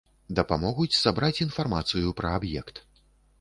Дапамогуць сабраць інфармацыю пра аб'ект.